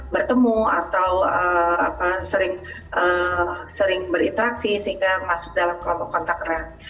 bertemu atau sering berinteraksi sehingga masuk dalam kelompok kontak erat